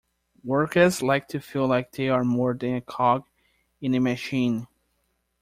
Workers like to feel like they are more than a cog in a machine.